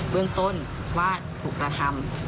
เรื่องต้นว่าผูกละทำ